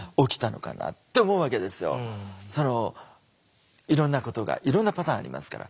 そのいろんなことがいろんなパターンありますから。